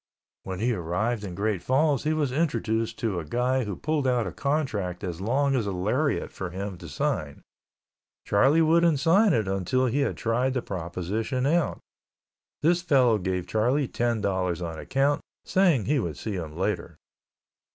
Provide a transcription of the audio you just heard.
When he arrived in Great Falls he was introduced to a guy who pulled out a contract as long as a lariat for him to sign. Charlie wouldn't sign it until he had tried the proposition out. This fellow gave Charlie ten dollars on account, saying he would see him later.